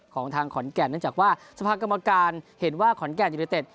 ของทางขอนแก่นเนื่องจากว่าสภากรรมการเห็นว่าขอนแก่นยูเนเต็ด